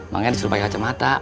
makanya disuruh pake kacamata